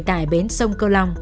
tại bến sông cơ long